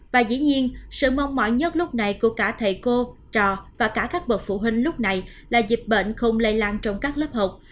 và dĩ nhiên sự mong mỏi nhất lúc này của cả thầy cô trò và cả các bậc phụ huynh lúc này là dịp bệnh không lây lan trong các lớp học